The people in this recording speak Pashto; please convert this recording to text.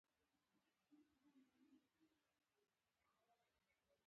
په ځانګړې توګه په اکسفورډشایر کې یې لرلې